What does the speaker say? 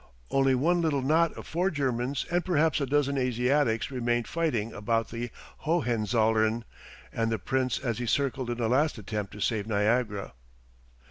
Only one little knot of four Germans and perhaps a dozen Asiatics remained fighting about the Hohenzollern and the Prince as he circled in a last attempt to save Niagara.